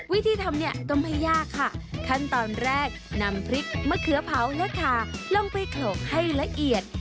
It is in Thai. วิธีทำเนี่ยก็ไม่ยากค่ะขั้นตอนแรกนำพริกมะเขือเผาและทาลงไปโขลกให้ละเอียด